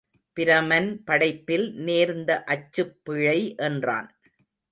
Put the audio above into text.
பிரமன் படைப்பில் நேர்ந்த அச்சுப் பிழை என்றான்.